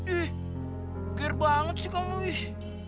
ih kaget banget sih kamu ih